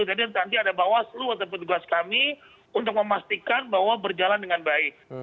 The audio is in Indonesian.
jadi nanti ada bahwa seluruh petugas kami untuk memastikan bahwa berjalan dengan baik